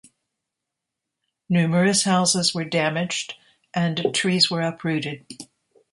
Numerous houses were damaged and trees were uprooted.